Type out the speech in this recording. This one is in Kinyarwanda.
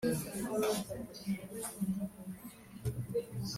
kuko iyo bageze mu ngo bahita bamburwa indangamuntu